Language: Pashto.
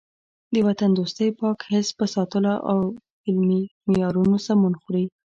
د وطن دوستۍ پاک حس په ساتلو او علمي معیارونو سمون خوري.